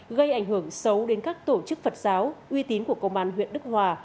gây ảnh hưởng xấu đến các tổ chức phật giáo uy tín của công an huyện đức hòa